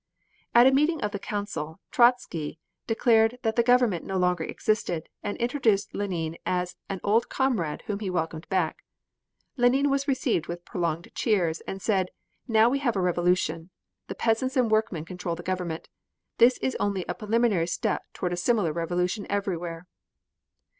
At a meeting of the Council, Trotzky declared that the government no longer existed, and introduced Lenine as an old comrade whom he welcomed back. Lenine was received with prolonged cheers, and said: "Now we have a Revolution. The peasants and workmen control the government. This is only a preliminary step toward a similar revolution everywhere."